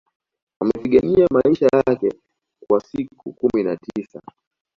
Amepigania maisha yake kwa siku kumi na tisa